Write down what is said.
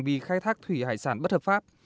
vì khai thác thủy hải sản bất hợp pháp